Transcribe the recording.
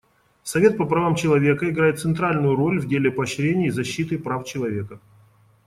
Совет по правам человека играет центральную роль в деле поощрения и защиты прав человека.